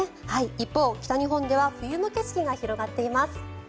一方、北日本では冬の景色が広がっています。